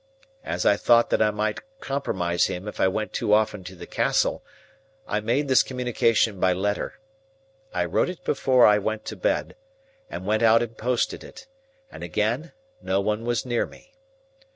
As I thought that I might compromise him if I went too often to the Castle, I made this communication by letter. I wrote it before I went to bed, and went out and posted it; and again no one was near me.